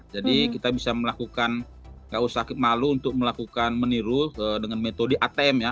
jadi kita bisa melakukan tidak usah malu untuk melakukan meniru dengan metode atm ya